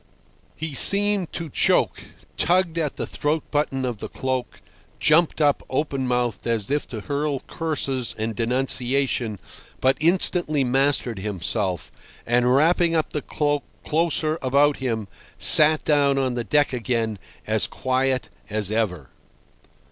He seemed to choke, tugged at the throat button of the cloak, jumped up open mouthed as if to hurl curses and denunciation, but instantly mastered himself, and, wrapping up the cloak closer about him, sat down on the deck again as quiet as ever.